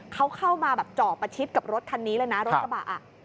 เขาเข้ามาแบบเจาะประชิดกับรถคันนี้เลยนะรถกระบะ